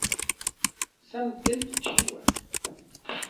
San ken kichiua.